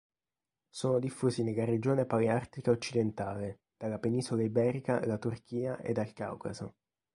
Sono diffusi nella Regione Paleartica occidentale, dalla Penisola Iberica alla Turchia ed al Caucaso.